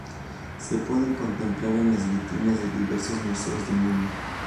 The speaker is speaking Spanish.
Se pueden contemplar en las vitrinas de diversos museos del mundo.